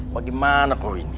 bagaimana kau ini